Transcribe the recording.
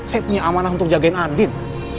saya punya amanah untuk jagain adit